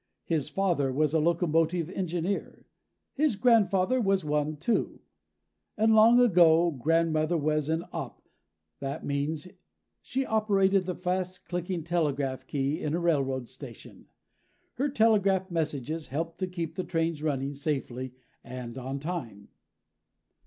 His father was a locomotive engineer. His grandfather was one, too. And, long ago, grandmother was an "op." That means she operated the fast clicking telegraph key in a railroad station. Her telegraph messages helped to keep the trains running safely and on time.